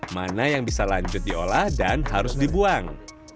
mana yang bisa lanjut diolah dan harus dibuang